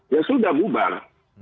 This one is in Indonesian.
ya sudah bubar